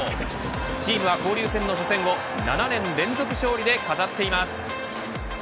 チームは交流戦の初戦を７年連続勝利で飾っています。